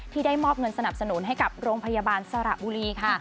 ได้มอบเงินสนับสนุนให้กับโรงพยาบาลสระบุรีค่ะ